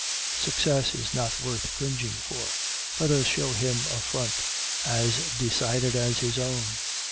Success is not worth cringing for; let us show him a front as decided as his own.